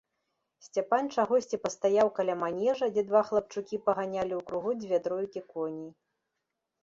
Сцяпан чагосьці пастаяў каля манежа, дзе два хлапчукі паганялі ў кругу дзве тройкі коней.